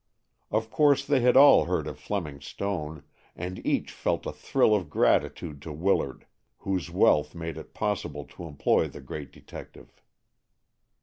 Of course they had all heard of Fleming Stone, and each felt a thrill of gratitude to Willard, whose wealth made it possible to employ the great detective.